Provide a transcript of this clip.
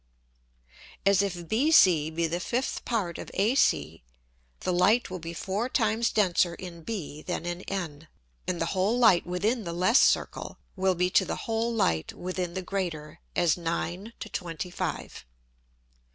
As if BC be the fifth Part of AC, the Light will be four times denser in B than in N, and the whole Light within the less Circle, will be to the whole Light within the greater, as nine to twenty five.